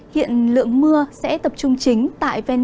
hiện lượng mưa sẽ tập trung chính tại ven